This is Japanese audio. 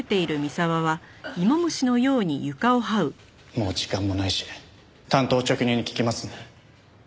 もう時間もないし単刀直入に聞きますね。